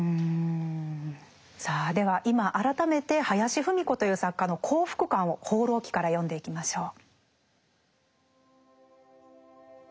さあでは今改めて林芙美子という作家の幸福感を「放浪記」から読んでいきましょう。